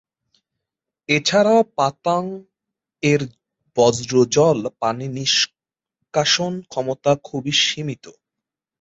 এছাড়াও পাতং-এর বর্জ্য জল পানি নিষ্কাশন ক্ষমতা খুবই সীমিত।